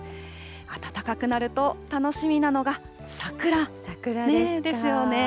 暖かくなると、楽しみなのが桜ですよね。